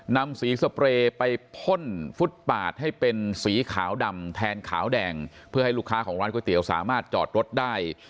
นำสีสเปรย์ไปพ่นฟุตปาดให้เป็นสีขาวดำแทนขาวแดงเพื่อให้ลูกค้าของร้านก๋วยเตี๋ยวสามารถจอดรถได้